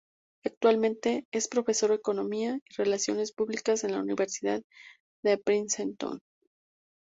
Actualmente es profesor Economía y Relaciones Públicas en la Universidad de Princeton.